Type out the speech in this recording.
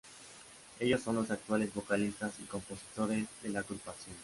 Ellos son los actuales vocalistas y compositores de la agrupación.